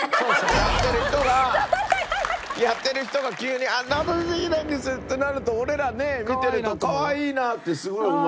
やってる人がやってる人が急に「何もできないんです」ってなると俺らね見てるとかわいいなってすごい思っちゃう。